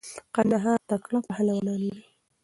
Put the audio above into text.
قندهار تکړه پهلوانان لری.